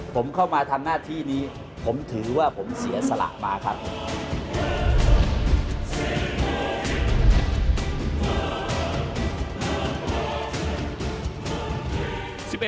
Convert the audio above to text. ผมเข้ามาทำหน้าที่นี้ผมถือว่าผมเสียสละมาครับ